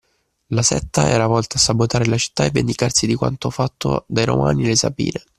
La setta era volta a sabotare la città e vendicarsi di quanto fatto dai Romani alle Sabine.